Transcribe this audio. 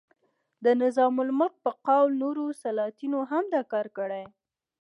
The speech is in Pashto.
د نظام الملک په قول نورو سلاطینو هم دا کار کړی.